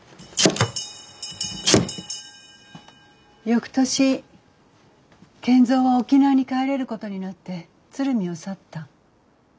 翌年賢三は沖縄に帰れることになって鶴見を去った。